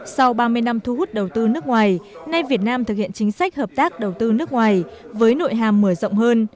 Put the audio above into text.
sau ba mươi năm thu hút đầu tư nước ngoài nay việt nam thực hiện chính sách hợp tác đầu tư nước ngoài với nội hàm mở rộng hơn